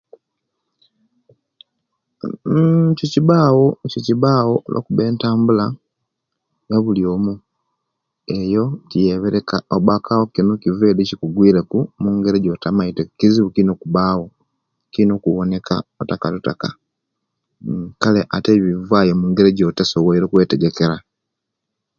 Mmm ekyo kibawo, ekyo kibawo lwokuba entambula yabuli oomu, eyo tiyeebereka lwakuba obakaawo kino kiva edi kikugwiireku mungeri ejotamaite kizibu kirina okubawo, kirinaa okuwoneka otakatotaka, ate ebyo bibaawo mungeri ejotasobwoire okwetegeka.